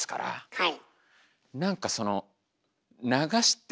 はい。